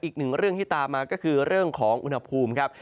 อีกหนึ่งเรื่องที่ตามมาก็คือเรื่องของอุณหภูมิครับ